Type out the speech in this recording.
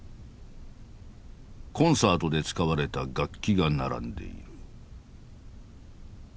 コンサートで使われた楽器が並んでいる。